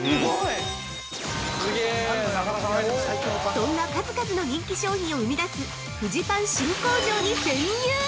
そんな数々の人気商品を生み出すフジパン新工場に潜入！